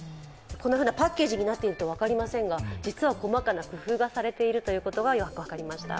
このようなパッケージになっていると分かりませんが実は細かな工夫がされているということが、よく分かりました。